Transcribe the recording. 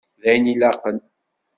D ayen ilaqen.